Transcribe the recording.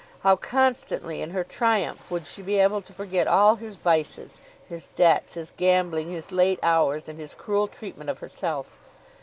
How constantly in her triumph would she be able to forget all his vices, his debts, his gambling, his late hours, and his cruel treatment of herself!